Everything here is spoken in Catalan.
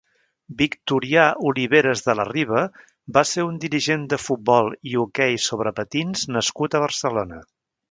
Victorià Oliveras de la Riva va ser un dirigent de futbol i hoquei sobre patins nascut a Barcelona.